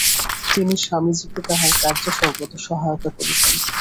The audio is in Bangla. তিনি স্বামীজীকে তাঁহার কার্যে সর্বদা সহায়তা করিতেন।